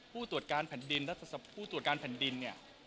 ผู้ตรวจการแผ่นดินเนี่ย